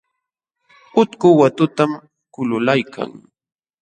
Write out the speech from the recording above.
Utku watutam kululaykan.